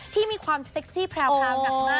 ที่มีความเซ็กซี่แพรวหนักมาก